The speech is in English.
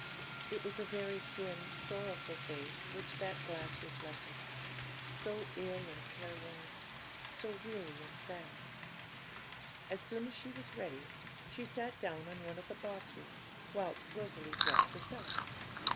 It was a very thin, sorrowful face which that glass reflected; so ill and careworn, so weary and sad. As soon as she was ready, she sat down on one of the boxes, whilst Rosalie dressed herself.